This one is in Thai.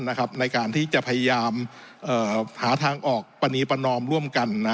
ในการที่จะพยายามหาทางออกปรณีประนอมร่วมกัน